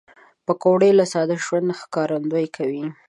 پکورې له ساده ژوند ښکارندويي کوي